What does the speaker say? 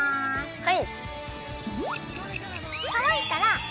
はい。